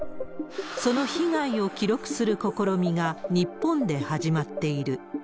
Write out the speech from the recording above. その被害を記録する試みが日本で始まっている。